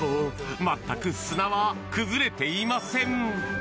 全く砂は崩れていません。